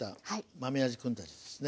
豆あじ君たちですね。